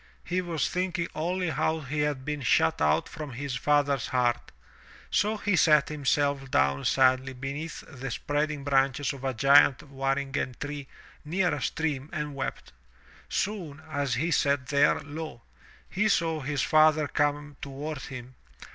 He was thinking only how he had been shut out from his father's heart. So he sat himself down sadly beneath the spread ing branches of a giant waringen tree near a stream and wept. Soon, as he sat there, lo! he saw his father come toward him.